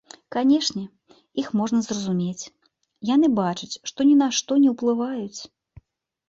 Канечне, іх можна зразумець, яны бачаць, што ні на што не ўплываюць.